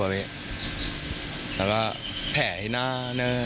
แล้วก็แผลที่หน้า